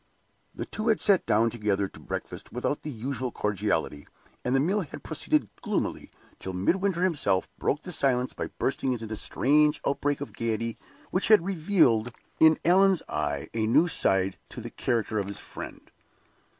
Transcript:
The two had sat down together to breakfast without the usual cordiality, and the meal had proceeded gloomily, till Midwinter himself broke the silence by bursting into the strange outbreak of gayety which had revealed in Allan's eyes a new side to the character of his friend.